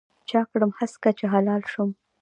چا کړم هسکه چې هلال شوم